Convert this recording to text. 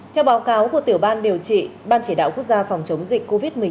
theo báo cáo của tiểu ban điều trị ban chỉ đạo quốc gia phòng chống dịch covid một mươi chín